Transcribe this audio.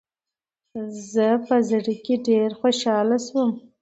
زه په زړه کې ډېره خوشحاله شوم .